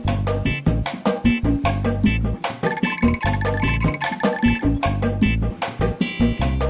makan sambalnya jangan banyak